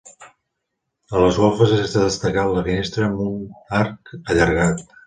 A les golfes és de destacar la finestra amb un arc allargat.